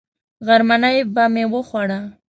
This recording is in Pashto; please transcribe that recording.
غرمنۍ به مې وخوړه.